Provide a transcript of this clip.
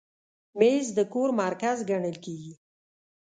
مېز د کور مرکز ګڼل کېږي.